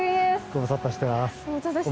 ご無沙汰してます